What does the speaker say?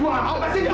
gue akan lepasin lo